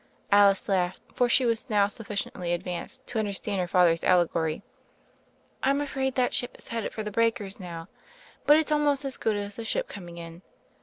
Alice laughed, for she was now suffi ciently advanced to understand her father's alle gory. "I'm afraid that ship is headed for the breakers now. But it's almost as good as the ship coming in.